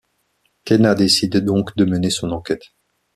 Khéna décide donc de mener son enquête.